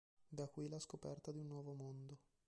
Da qui la scoperta di un nuovo mondo.